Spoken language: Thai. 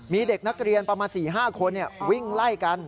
มีเด็กนักเรียนประมาณ๔๕คนวิ่งไล่กัน